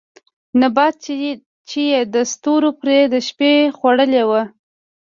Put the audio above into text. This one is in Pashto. نبات چې يې د ستورو پرې د شپې خـوړلې وو